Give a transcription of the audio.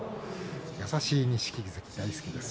優しい錦木関大好きです。